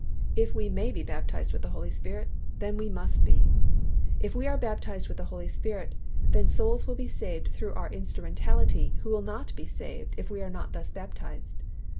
If we may be baptized with the Holy Spirit then we must be. If we are baptized with the Holy Spirit then souls will be saved through our instrumentality who will not be saved if we are not thus baptized.